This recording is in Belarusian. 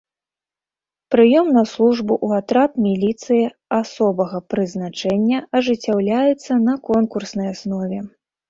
Прыём на службу ў атрад міліцыі асобага прызначэння ажыццяўляецца на конкурснай аснове.